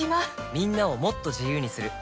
みんなをもっと自由にする「三菱冷蔵庫」